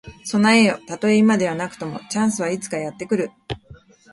備えよ。たとえ今ではなくとも、チャンスはいつかやって来る。